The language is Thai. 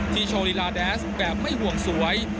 ที่โชว์รีลาแดสแบบไม่ห่วงสวย